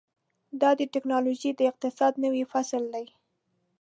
دا د ټیکنالوژۍ د اقتصاد نوی فصل دی.